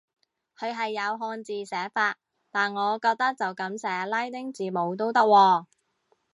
佢係有漢字寫法，但我覺得就噉寫拉丁字母都得喎